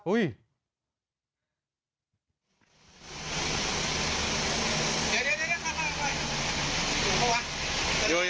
อุ๊ย